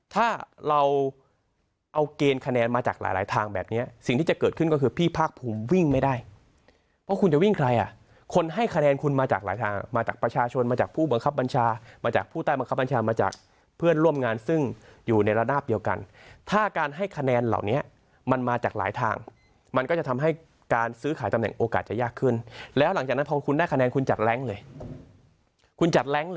ถ้าเราเอาเกณฑ์คะแนนมาจากหลายทางแบบเนี้ยสิ่งที่จะเกิดขึ้นก็คือพี่พากภูมิวิ่งไม่ได้ว่าคุณจะวิ่งใครอ่ะคนให้คะแนนคุณมาจากหลายทางมาจากประชาชนมาจากผู้บังคับบัญชามาจากผู้ใต้บังคับบัญชามาจากเพื่อนร่วมงานซึ่งอยู่ในระดาบเดียวกันถ้าการให้คะแนนเหล่านี้มันมาจากหลายทางมันก็จะทำให้การซื้อขายตำแหน